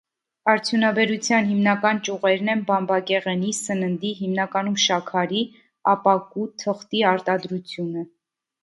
Արդյունաբերության հիմնական ճյուղերն են բամբակեղենի, սննդի (հիմնականում շաքարի), ապակու, թղթի արտադրությունը։